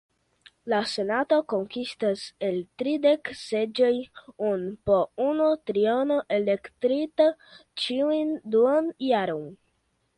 La Senato konsistas el tridek seĝoj, kun po unu triono elektita ĉiun duan jaron.